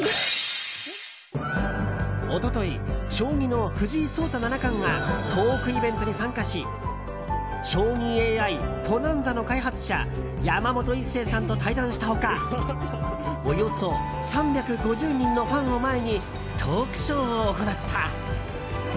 一昨日、将棋の藤井聡太七冠がトークイベントに参加し将棋ＡＩＰｏｎａｎｚａの開発者山本一成さんと対談した他およそ３５０人のファンを前にトークショーを行った。